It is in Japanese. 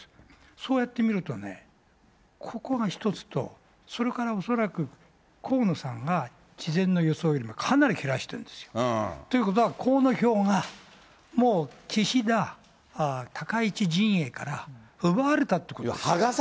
そうやって見るとね、ここが一つと、それからおそらく河野さんが事前の予想よりもかなり減らしてるんですよ。ということは河野票が、もう岸田、高市陣営から奪われたということですよ。